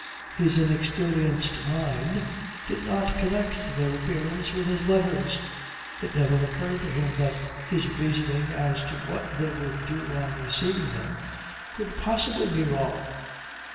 His inexperienced mind did not connect their appearance with his letters; it never occurred to him that his reasoning as to what they would do on receiving them could possibly be wrong.